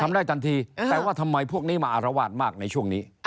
ได้ทันทีแต่ว่าทำไมพวกนี้มาอารวาสมากในช่วงนี้